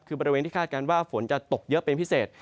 คือบริเวณที่คาดการณ์ว่าฝนจะตกเยอะเป็นพิเศษ